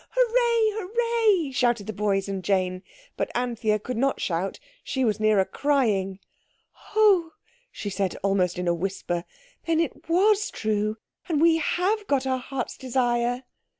hooray! hooray!" shouted the boys and Jane. But Anthea could not shout, she was nearer crying. "Oh," she said almost in a whisper, "then it was true. And we have got our hearts' desire."